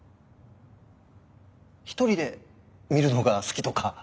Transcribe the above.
一人で見るのが好きとか？